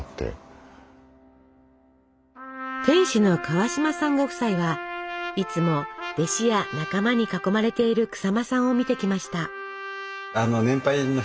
店主の川島さんご夫妻はいつも弟子や仲間に囲まれている日馬さんを見てきました。